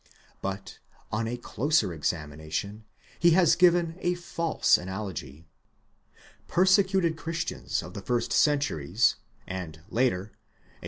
But on a closer examination, he has given a false analogy. Persecuted Christians of the first centuries, and, later, a